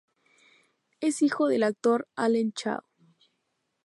Es hijo del actor Allen Chao.